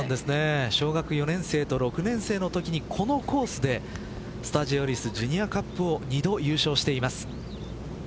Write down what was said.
小学４年生と６年生のときにこのコースでスタジオアリスジュニアカップを２度優勝しています。